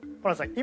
今。